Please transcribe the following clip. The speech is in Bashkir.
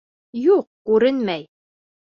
Юҡ, күренмәй.